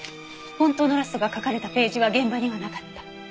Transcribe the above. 本当のラストが書かれたページは現場にはなかった。